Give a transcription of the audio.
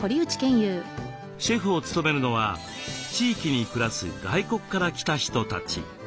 シェフを務めるのは地域に暮らす外国から来た人たち。